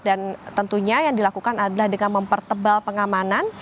dan tentunya yang dilakukan adalah dengan mempertebal pengamanan